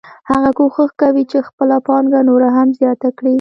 هغه کوښښ کوي چې خپله پانګه نوره هم زیاته کړي